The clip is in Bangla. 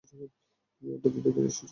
তুমি আড্ডা দিতে ফিরে এসেছো?